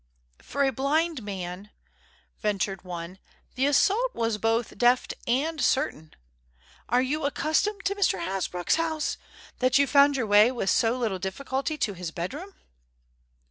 "For a blind man," ventured one, "the assault was both deft and certain. Are you accustomed to Mr. Hasbrouck's house, that you found your way with so little difficulty to his bedroom?"